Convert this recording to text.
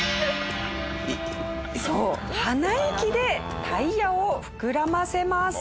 そう鼻息でタイヤを膨らませます。